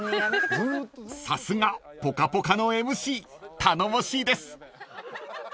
［さすが『ぽかぽか』のＭＣ頼もしいです］